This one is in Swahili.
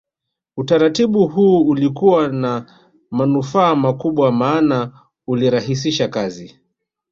Utaratibu huu ulikuwa na manufaa makubwa maana ulirahisisha kazi